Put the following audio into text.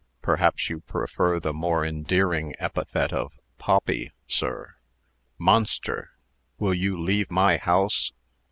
"Perhaps you prefer the more endearing epithet of 'poppy,' sir?" "Monster! will you leave my house?"